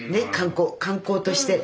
観光として。